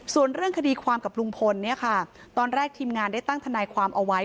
ส่วนเรื่องคดีความกับลุงพลเนี่ยค่ะตอนแรกทีมงานได้ตั้งทนายความเอาไว้